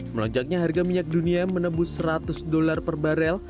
melonjaknya harga minyak dunia menembus rp seratus per barel